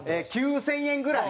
９０００円ぐらい？